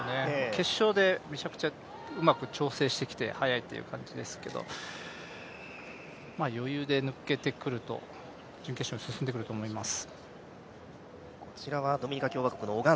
決勝で、めちゃくちゃうまく調整してきて速いという感じですけど余裕で抜けてくると、準決勝に進んでくると思います。